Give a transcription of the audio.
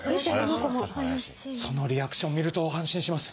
そのリアクション見ると安心します。